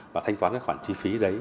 và thanh toán cái khoản chi phí đấy